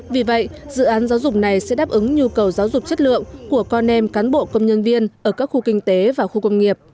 vì vậy dự án giáo dục này sẽ đáp ứng nhu cầu giáo dục chất lượng của con em cán bộ công nhân viên ở các khu kinh tế và khu công nghiệp